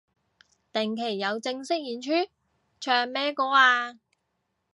定期有正式演出？唱咩歌啊